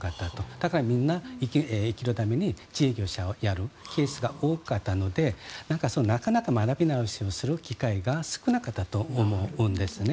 だから、みんな生きるためにやるケースが多かったのでなかなか学び直しをする機会が少なかったと思うんですね。